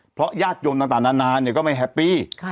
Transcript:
เพราะญาติยนต์ต่างต่างนานนานเนี้ยก็ไม่แฮปปี้ค่ะ